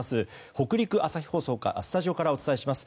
北陸朝日放送のスタジオからお伝えします。